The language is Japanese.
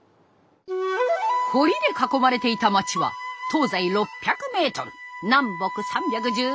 堀で囲まれていた町は東西６００メートル南北３１０メートル。